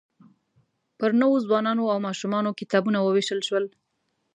پر نوو ځوانانو او ماشومانو کتابونه ووېشل شول.